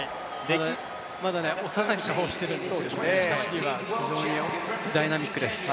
まだ幼い顔をしているんですけどね、走りは非常にダイナミックです。